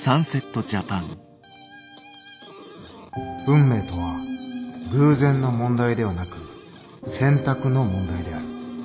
運命とは偶然の問題ではなく選択の問題である。